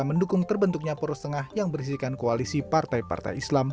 mendukung terbentuknya poros tengah yang berisikan koalisi partai partai islam